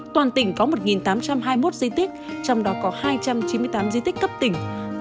toàn tỉnh có một tám trăm hai mươi một di tích trong đó có hai trăm chín mươi tám di tích cấp tỉnh